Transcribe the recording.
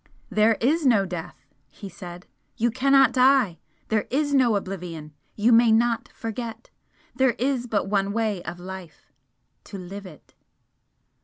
"There is no death!" he said "You cannot die! There is no oblivion, you may not forget! There is but one way of life to live it!"